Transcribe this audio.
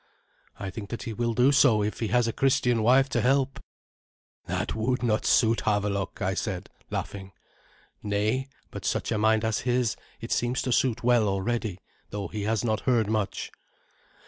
"I think that he will do so, if he has a Christian wife to help." "That would not suit Havelok," I said, laughing. "Nay, but such a mind as his it seems to suit well already, though he has not heard much."